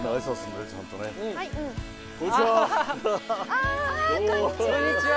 あこんにちは！